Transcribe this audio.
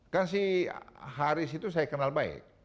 kan si haris itu saya kenal baik